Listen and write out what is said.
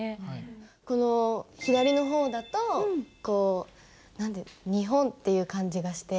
この左の方だと日本っていう感じがして。